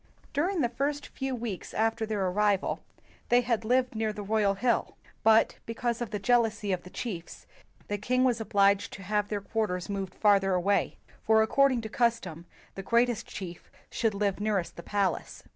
During the first few weeks after their arrival, they had lived nearer the royal hill; but, because of the jealousy of the chiefs, the king was obliged to have their quarters moved farther away, for according to custom the greatest chief should live nearest the palace.